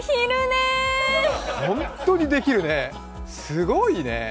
本当にできるね、すごいね。